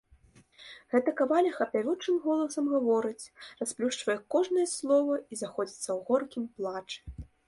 Гэта каваліха пявучым голасам гаворыць, расплюшчвае кожнае слова і заходзіцца ў горкім плачы.